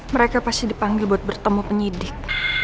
mereka pasti dipanggil buat bertemu penyidik